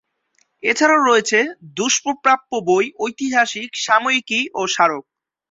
এছাড়াও রয়েছে দুষ্প্রাপ্য বই, ঐতিহাসিক সাময়িকী ও স্মারক।